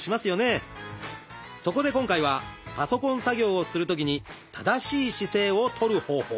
そこで今回はパソコン作業をするときに正しい姿勢を取る方法。